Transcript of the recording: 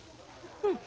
うん。